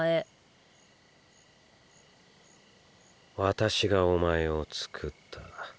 私がお前をつくった。